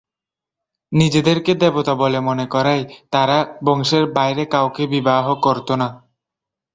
নিজেদেরকে দেবতা বলে মনে করায় তারা বংশের বাইরে কাউকে বিবাহ করত না।